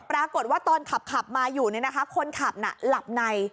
ปรากฏว่าตอนขับมาอยู่เนี้ยนะคะคนขับน่ะหลับใน